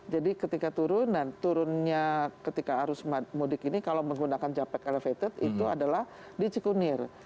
jadi ketika turun dan turunnya ketika arus mudik ini kalau menggunakan jembatan elevated itu adalah di cikunir